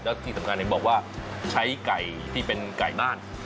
แล้วที่สำคัญเห็นบอกว่าใช้ไก่ที่เป็นไก่บ้าน